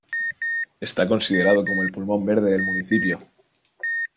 Está considerado como el pulmón verde del municipio.